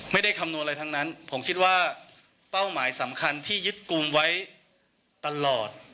คำนวณอะไรทั้งนั้นผมคิดว่าเป้าหมายสำคัญที่ยึดกลุ่มไว้ตลอด